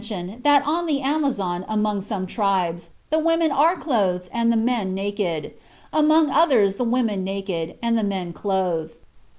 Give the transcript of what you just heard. Other travelers mention that on the Amazon among some tribes the women are clothed and the men naked; among others the women naked, and the men clothed.